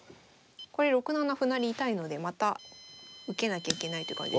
これ６七歩成痛いのでまた受けなきゃいけないっていう感じで。